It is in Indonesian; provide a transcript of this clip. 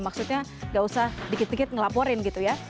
maksudnya tidak usah dikit dikit melaporin gitu ya